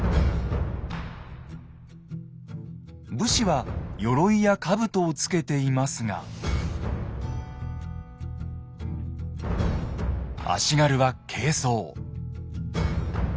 武士はよろいやかぶとをつけていますが足軽は軽装。